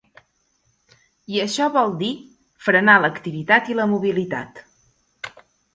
I això vol dir frenar l’activitat i la mobilitat.